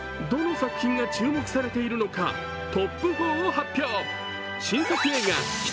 どの作品が注目されているのかトップ４を発表。